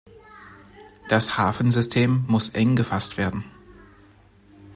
Das Hafensystem muss eng gefasst werden.